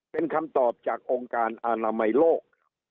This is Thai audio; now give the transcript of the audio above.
เป็นคำตอบจากองค์การอนามัยโลก